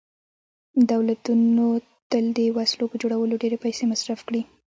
دولتونو تل د وسلو په جوړولو ډېرې پیسې مصرف کړي